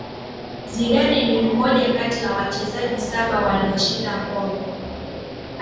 Zidane ni mmoja kati ya wachezaji saba walioshinda Kombe